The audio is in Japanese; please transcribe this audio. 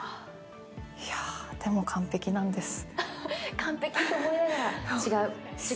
いやあ、でも完璧なんです。